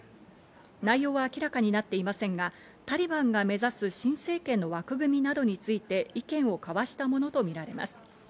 内容は明らかになっていませんが、タリバンが目指す新政権の枠組みなどについて意見を交わしたものとみられます。